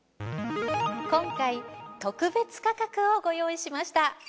今回特別価格をご用意しました。